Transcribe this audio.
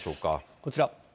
こちら。